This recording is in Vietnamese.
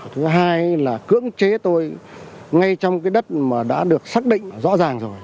thứ hai là cưỡng chế tôi ngay trong cái đất mà đã được xác định rõ ràng rồi